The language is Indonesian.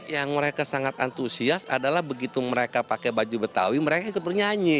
yang mereka sangat antusias adalah begitu mereka pakai baju betawi mereka ikut bernyanyi